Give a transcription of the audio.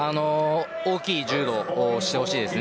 大きい柔道をしてほしいです。